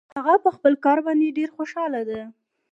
هغه په خپل کار باندې ډېر خوشحاله ده